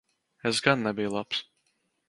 Es gan nebiju labs.